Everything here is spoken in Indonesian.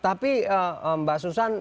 tapi mbak susan